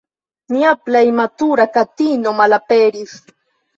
"Nia plej matura katino malaperis.